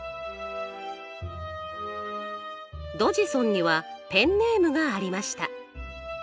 ドジソンにはペンネームがありました。